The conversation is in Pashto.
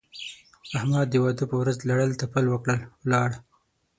احمد د واده په ورځ لړل تپل وکړل؛ ولاړ.